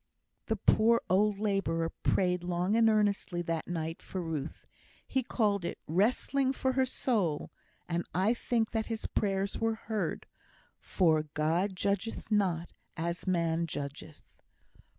The poor old labourer prayed long and earnestly that night for Ruth. He called it "wrestling for her soul;" and I think his prayers were heard, for "God judgeth not as man judgeth."